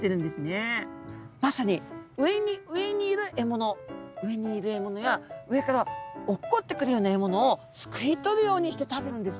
まさに上に上にいる獲物上にいる獲物や上から落っこってくるような獲物をすくい取るようにして食べるんですね。